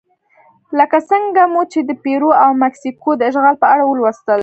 لکه څنګه مو چې د پیرو او مکسیکو د اشغال په اړه ولوستل.